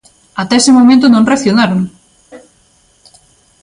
¡Ata ese momento non reaccionaron!